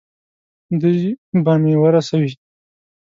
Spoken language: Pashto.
دوی به مې ورسوي.